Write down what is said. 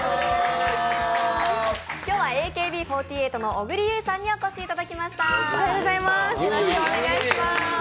今日はＡＫＢ４８の小栗有以さんにお越しいただきました。